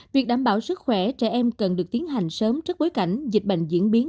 việc đảm bảo sức khỏe trẻ em cần được tiến hành sớm trước bối cảnh dịch bệnh diễn biến